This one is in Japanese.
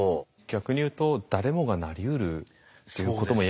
逆に言うと誰もがなりうるっていうことも言えますか？